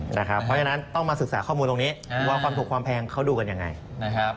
เพราะฉะนั้นต้องมาศึกษาข้อมูลตรงนี้ว่าความถูกความแพงเขาดูกันยังไงนะครับ